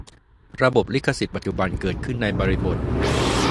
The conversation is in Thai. ระบบลิขสิทธิ์ปัจจุบันเกิดขึ้นในบริบท